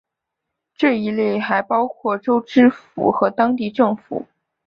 这一类还包括州政府和当地政府。